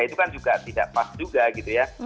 itu kan juga tidak pas juga gitu ya